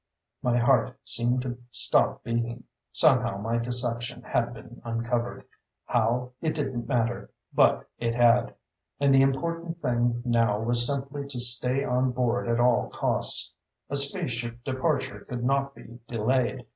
_" My heart seemed to stop beating. Somehow, my deception had been uncovered. How, it didn't matter, but it had. And the important thing now was simply to stay on board at all costs. A space ship departure could not be delayed.